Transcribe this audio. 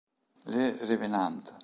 Le Revenant